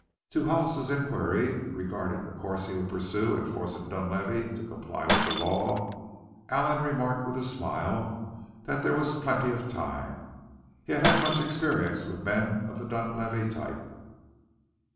To Hollis's inquiry regarding the course he would pursue in forcing Dunlavey to comply with the law, Allen remarked with a smile that there was "plenty of time." He had had much experience with men of the Dunlavey type.